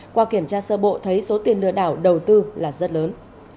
qua kiểm tra sơ bộ thấy số tiền lừa đảo đầu tư là rất lớn